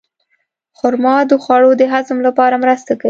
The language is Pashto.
خرما د خوړو د هضم لپاره مرسته کوي.